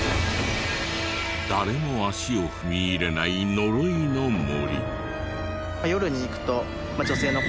誰も足を踏み入れない呪いの森。